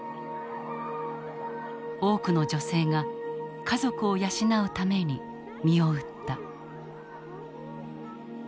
多くの女性が家族を養うために身を売った。